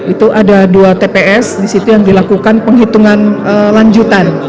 itu ada dua tps di situ yang dilakukan penghitungan lanjutan